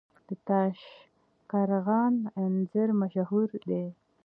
د تاشقرغان انځر مشهور دي